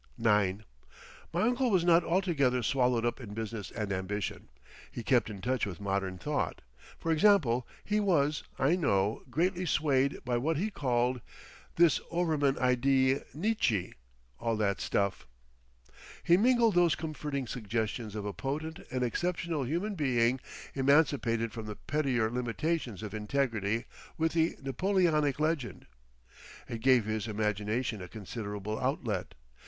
IX My uncle was not altogether swallowed up in business and ambition. He kept in touch with modern thought. For example, he was, I know, greatly swayed by what he called "This Overman idee, Nietzsche—all that stuff." He mingled those comforting suggestions of a potent and exceptional human being emancipated from the pettier limitations of integrity with the Napoleonic legend. It gave his imagination a considerable outlet.